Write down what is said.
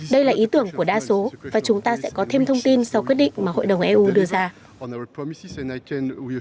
đây là ý tưởng của đa số và chúng ta sẽ có thêm thông tin sau quyết định mà hội đồng eu đưa ra